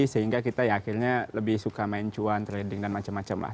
sehingga kita ya akhirnya lebih suka main cuan trading dan macam macam lah